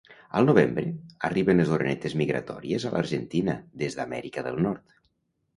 Al novembre, arriben les orenetes migratòries a l'Argentina des d'Amèrica del Nord.